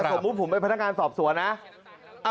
สมมุติผมเป็นพนักงานสอบสวนนะ